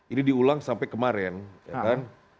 ini diulang sampai kemarin ya kan